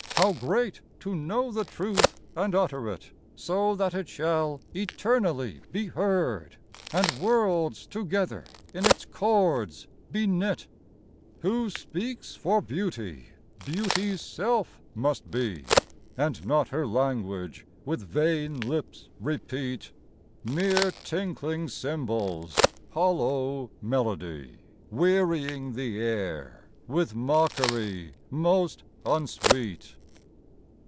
How great, to know the truth, and utter it So that it shall eternally be heard, And worlds together in its chords be knit ! Who speaks for beauty, Beauty's self must be, And not her language with vain lips repeat, — Mere tinkling cymbals, hollow melody Wearying the air with mockery most unsweet !